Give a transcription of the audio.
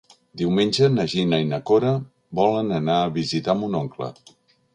Diumenge na Gina i na Cora volen anar a visitar mon oncle.